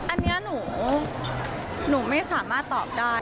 อันนี้หนูไม่สามารถตอบได้